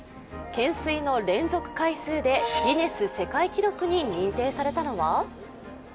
懸垂の連続回数でギネス世界記録に認定されたのは？